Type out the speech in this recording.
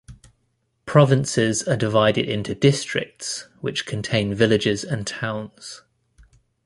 Provinces are divided into districts, which contain villages and towns.